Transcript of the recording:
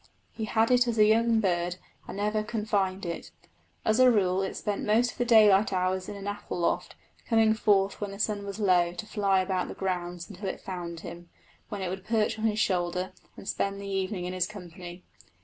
He had it as a young bird and never confined it. As a rule it spent most of the daylight hours in an apple loft, coming forth when the sun was low to fly about the grounds until it found him, when it would perch on his shoulder and spend the evening in his company.